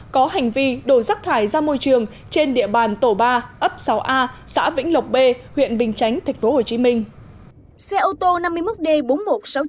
có hành vi đổ rắc thải ra môi trường trên địa bàn tổ ba ấp sáu a xã vĩnh lộc b huyện bình chánh tp hcm